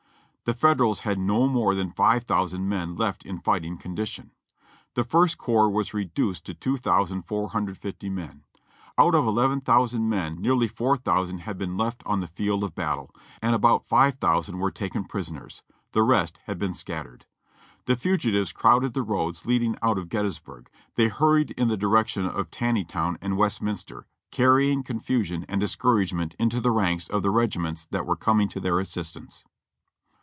"The Federals had no more than five thousand men left in fight ing condition. "The First Corps was reduced to 2,450 men. Out of 1 1,000 men nearly 4,000 had been left on the field of battle, and about 5,000 were taken prisoners; the rest had been scattered. "The fugitives crowded the roads leading out of Gettysburg; they hurried in the direction of Taneytown and Westminster, car rying confusion and discouragement into the ranks of the regi ments that w^ere coming to their assistance.